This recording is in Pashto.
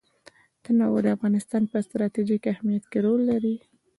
تنوع د افغانستان په ستراتیژیک اهمیت کې رول لري.